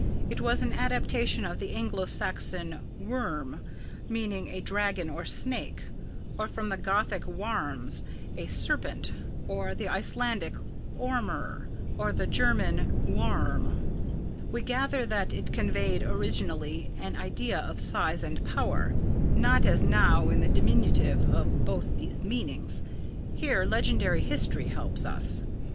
It was an adaptation of the Anglo Saxon 'wyrm,' meaning a dragon or snake; or from the Gothic 'waurms,' a serpent; or the Icelandic 'ormur,' or the German 'wurm.' We gather that it conveyed originally an idea of size and power, not as now in the diminutive of both these meanings. Here legendary history helps us.